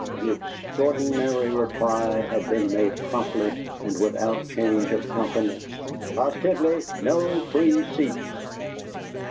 the extraordinary reply had been made promptly and without change of countenance: "POSITIVELY NO FREE SEATS!"